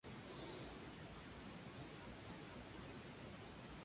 Es la carrera de San Silvestre más multitudinaria de España.